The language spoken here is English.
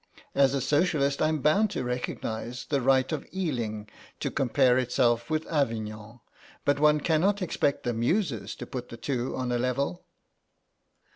As a Socialist I'm bound to recognise the right of Ealing to compare itself with Avignon, but one cannot expect the Muses to put the two on a level."